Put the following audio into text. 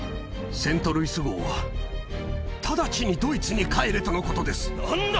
セントルイス号は直ちにドイツに帰れとのことです。